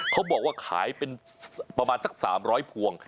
เขาบอกว่าขายเป็นประมาณสัก๓๐๐พวง